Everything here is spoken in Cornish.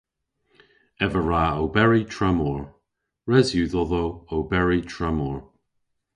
Ev a wra oberi tramor. Res yw dhodhooberi tramor.